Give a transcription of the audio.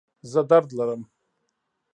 زه درد لرم